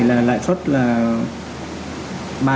lãi suất là